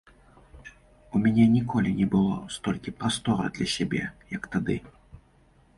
У мяне ніколі не было столькі прасторы для сябе, як тады.